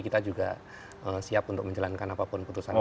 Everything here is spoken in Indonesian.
kita juga siap untuk menjalankan apapun putusan itu